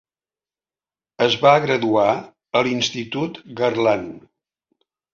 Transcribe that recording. Es va graduar a l'Institut Garland.